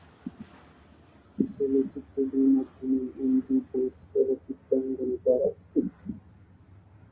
চলচ্চিত্রটির মাধ্যমে অঞ্জু ঘোষ চলচ্চিত্রাঙ্গনে পা রাখেন।